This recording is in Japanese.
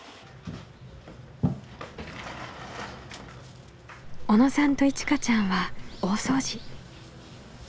小野さんといちかちゃんは大掃除。